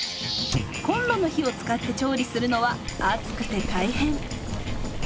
コンロの火を使って調理するのは暑くて大変。